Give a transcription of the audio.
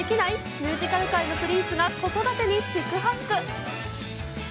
ミュージカル界のプリンスが子育てに四苦八苦。